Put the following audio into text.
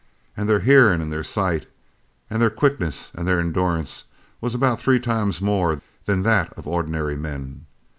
An' their hearin' an' their sight an' their quickness an' their endurance was about three times more than that of ordinary men.